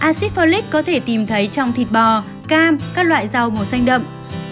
acid folic có thể tìm thấy trong thịt bò cam các loại rau màu xanh đậm